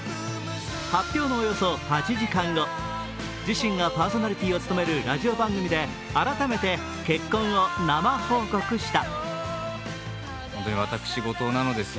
発表のおよそ８時間後、自身がパーソナリティーを務めるラジオ番組で改めて結婚を生報告した。